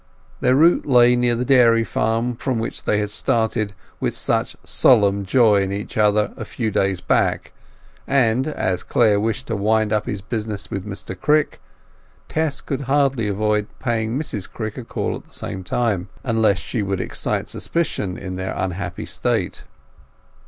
Their route lay near the dairy from which they had started with such solemn joy in each other a few days back, and as Clare wished to wind up his business with Mr Crick, Tess could hardly avoid paying Mrs Crick a call at the same time, unless she would excite suspicion of their unhappy state.